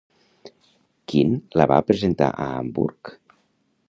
Quin la va presentar a Hamburg?